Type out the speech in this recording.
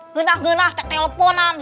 ngenah ngenah tuh teleponan